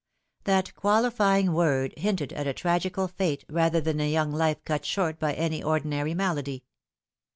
That qualifying word hinted at a tragical fate rather than a young life cut short by any ordinary malady.